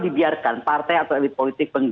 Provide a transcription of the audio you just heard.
dibiarkan partai atau elit politik